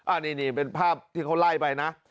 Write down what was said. อันนี้เป็นภาพที่เขาไล่ไปนะ